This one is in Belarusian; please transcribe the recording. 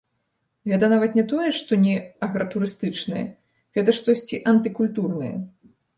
Гэта нават не тое, што не агратурыстычнае, гэта штосьці антыкультурнае.